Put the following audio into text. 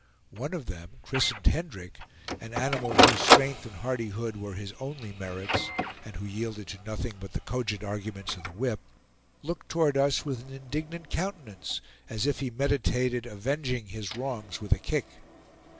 One of them, christened Hendrick, an animal whose strength and hardihood were his only merits, and who yielded to nothing but the cogent arguments of the whip, looked toward us with an indignant countenance, as if he meditated avenging his wrongs with a kick.